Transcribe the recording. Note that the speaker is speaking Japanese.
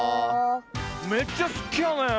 めっちゃすきやねん！